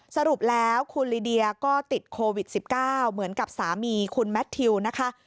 สรุปแล้วคุณลิเดียก็ติดโควิด๑๙เหมือนกับสามีคุณแมททิวนะคะ